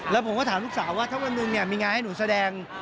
แล้วผมก็ถามลูกสาวว่าถ้าวันหนึ่งเนี่ยมีงานให้หนูแสดง